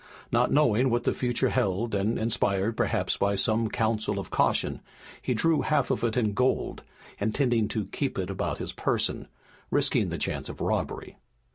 Not knowing what the future held, and inspired perhaps by some counsel of caution, he drew half of it in gold, intending to keep it about his person, risking the chance of robbery.